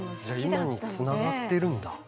じゃ今につながってるんだ。